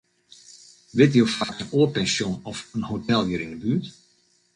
Witte jo faaks in oar pensjon of in hotel hjir yn 'e buert?